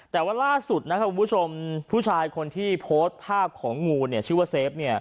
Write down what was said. แต่ว่าล่าสุดนะครับคุณผู้ชมผู้ชายคนที่โพสต์ภาพของงูเนี่ยชื่อว่าเซฟ